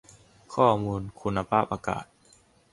ข้อมูลคุณภาพอากาศ